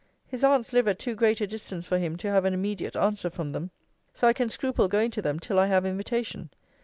His aunts live at too great a distance for him to have an immediate answer from them; so I can scruple going to them till I have invitation.